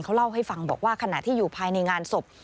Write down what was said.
เขาเล่าให้ฟังบอกว่าขณะที่อยู่ภายในงานศพ